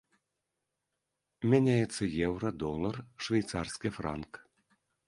Мяняецца еўра, долар, швейцарскі франк.